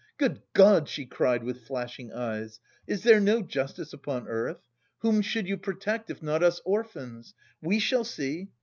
"Good God!" she cried with flashing eyes, "is there no justice upon earth? Whom should you protect if not us orphans? We shall see!